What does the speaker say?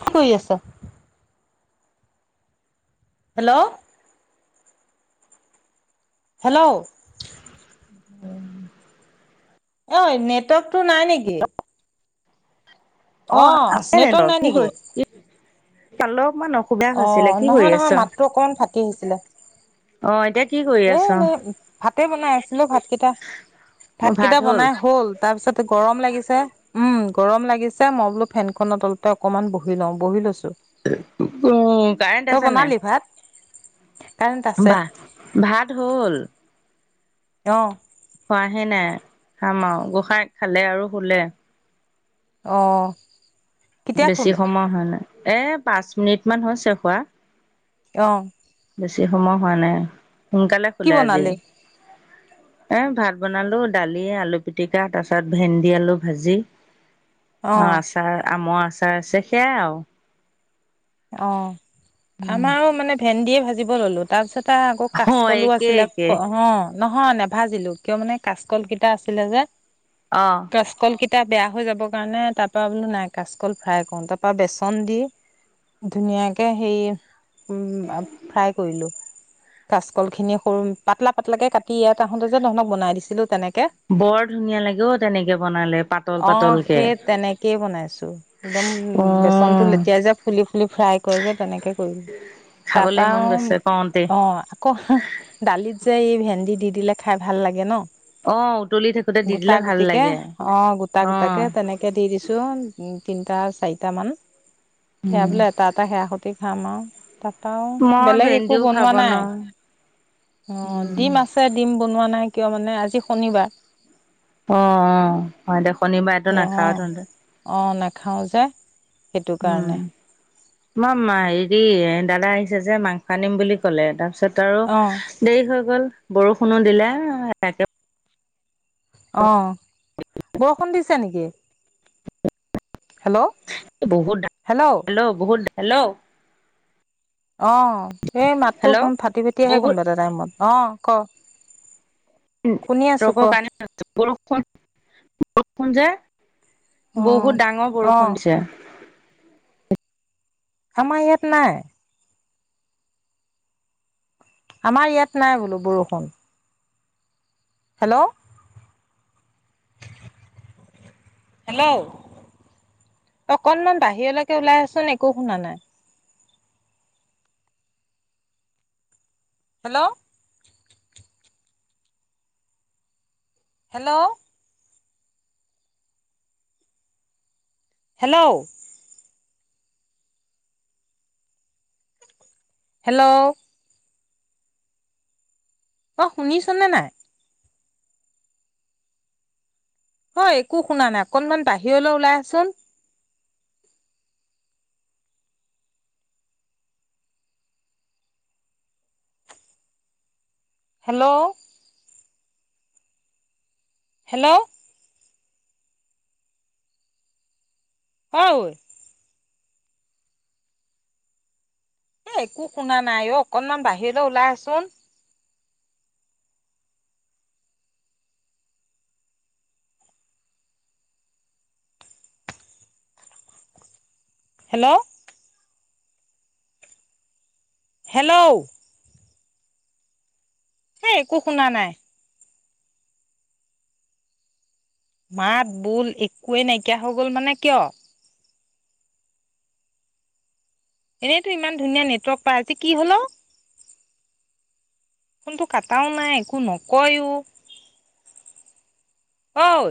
শুই আছে hello, hello, অই ', নেটক টো নাই নেকি? অ অহ ', নেটৱৰ্ক নাই নেকি? চালো অহ ', নহয় - নহয় মাতটো অকমান ফাটি আহিছিলে। অহ ', এতিয়া। কি কৰি এ আছ এনেই ভাতে বনাই আছিলো ভাতকেইটা ভাত কেইটা বনাই হ'ল তাৰ পিছত গৰম লাগিছিল। উম ', গৰম লাগিছে মই বোলো ফেনখন অতলতে অকনমান বহি লওঁ বহি লৈছো। [unintelligible] উম ', কাৰেণ্ট তই আছে নে নাই? বনালি ভাত? কাৰেণ্ট আছে। বাহ ভাত। হ'ল। অহ ', খোৱাহে নাই। খাম আৰু ।গোঁসাই খালে আৰু শুলে। আহ বেছি সময় হোৱা নাই । এ পাঁচ মিনিট মান হৈছে শুৱা। অহ। বেছি সময় হোৱা নাই। সোনকালে কি শুলে আজি। বনালি? এ ভাত বনালো ।দালি আলু- পিটিকা ।তাৰ পিছত ভেন্দি-আলু ভাজি। অ আচাৰ আমৰ আচাৰ আছে ।সেয়াই আৰু। অ আমাৰো মানে ভেন্দিয়ে ভাজিব ললো। তাৰ পিছত আ আকৌ অ কাচকলো একে আছিলে। একে অ' নহয় নেভাজিলো। কিয় মানে কাচকল কেইটা আছিলে যে। অ কাচকল কিট- -টা বেয়া হৈ যাব কাৰণে, তাৰ পৰা বোলো নাই কাচকল ফ্ৰাই কৰো ।তাৰ পৰা বেচন দি ধুনীয়াকে সেই ফ্ৰাই কৰিলোঁ। কাচকল খিনি সৰু পাতলা- পাতলাকে কাটি, ইয়াত আহোতে যে তহঁতক বনাই দিছিলো, তেনেকে। বৰ ধুনীয়া লাগে অ', তেনেকে বনালে। পাতল অ পাতলকে। সেই তেনেকেই বনাইছো একদম অ' এ ফ্ৰাই কৰে যে, তেনেকে কৰিলো। তাৰ পা খাবলৈ মন গৈছে কওঁতে আও ।অ' আকৌ দালিত যে এই ভেন্দি দি দিলে খাই ভাল লাগে ন? অ' উতলি থাকোতে দি দিলে গোটা ভাল গুটিকে লাগে। অ'গোটা অ' গোটাকে তেনেকে দি দিছো। অ' তিনিটা-চাৰিটামান। সেয়া বোলে এটা-এটা সেয়া সতি খাম আওঁ। তাপা আও মই বেলেগ একো ভেন্দিও খাব বনোৱা নাই নোৱাৰো ।অ উম। ডিম আছে ।ডিম বনোৱা নাই। কিয় মানে আজি শনিবাৰ। অ'অ' হয় দে ।শনিবাৰেটো নাখাৱ তহতে। খাওঁ যে সেইটো কাৰণে আমাৰ ম, ই হেৰি দাদা আহিছে যে মাংস আনিম বুলি ক'লে তাৰপিছত অ' তাৰ দেৰি হৈ গ'ল। বৰষুণো দিলে অ বৰষুণ দিছে নেকি? হেল্ল' বহুত হেল্ল বহুত হেল্ল' অ, এই মাতটো হেল্ল' অকণ ফাটি ফাটি আহে বহুত কোনোবা এটা টাইমত। অ। ক। শুনি আছো ক [unintelligible] বৰষু বৰষুণ যে। অ বহুত ডাঙৰ অ বৰষুণ দিছে। আমাৰ ইয়াত নাই। আমাৰ ইয়াত নাই বোলো বৰষুণ। হেল্ল' হেল্ল', অকনমান বাহিৰলৈকে ওলাই আহচোন একো শুনা নাই। হেল্ল' হেল্ল' হেল্ল' হেল্ল' অই শুনিছ নে নাই? হয় একো শুনা নাই। অকনমান বাহিৰলৈ ওলাই আহ। হেল্ল' হেল্ল' অই। এ একো শুনা নাই অ। অকণমান বাহিৰলৈ ওলাই আহ। হেল্ল' হেল্ল' হে একো শুনা নাই। মাত বোল একোৱেই নাইকিয়া হৈ গল, মানে কিয়? এনেইতো ইমান ধুনীয়া নেটৱৰ্ক পাই। আজি কি হল ঔ? ফোনটো কাটাও নাই একো নকয়ো। ঐ